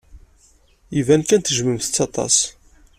Iban kan tejjmemt-tt aṭas.